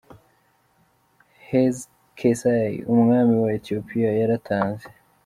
Hezqeyas, umwami wa Ethiopia yaratanze.